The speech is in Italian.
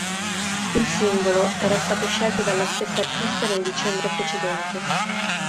Il singolo era stato scelto dalla stessa artista nel dicembre precedente.